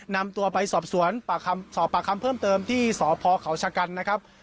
นำตัวไปสอบสวนสอบปากคำเพิ่มเติมที่สพเขาชะกันนะครับ